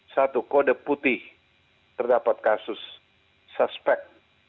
satu kode putih terdapat kasus suspek